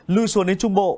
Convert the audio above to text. lưu xuân đến trung bộ